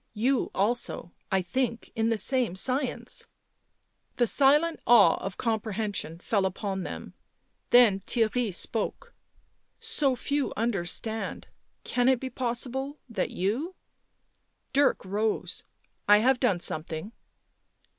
" You also — I think, in the same science " The silent awe of comprehension fell upon them, then Theirry spoke. " So few understand — can it be possible —that you " Dirk rose. " I have done something."